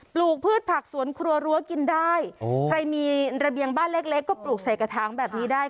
ลูกพืชผักสวนครัวรั้วกินได้ใครมีระเบียงบ้านเล็กเล็กก็ปลูกใส่กระถางแบบนี้ได้